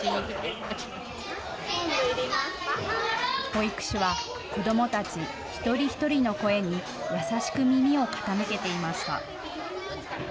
保育士は子どもたち一人一人の声に優しく耳を傾けていました。